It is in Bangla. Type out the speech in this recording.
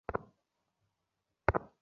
যা চেয়েছিস তার দ্বিগুণ দিলাম।